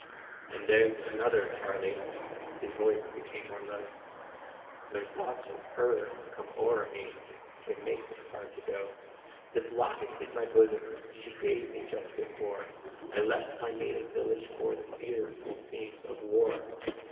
"And there's another, Charlie (His voice became more low), When thoughts of HER come o'er me, It makes it hard to go. This locket in my bosom, She gave me just before I left my native village For the fearful scenes of war.